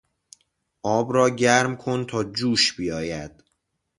آب را گرم کن تا جوش بیاید.